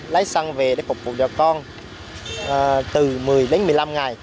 lái xăng về để phục vụ đỏ con từ một mươi đến một mươi năm ngày